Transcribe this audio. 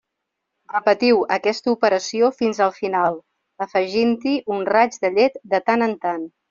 Repetiu aquesta operació fins al final, afegint-hi un raig de llet de tant en tant.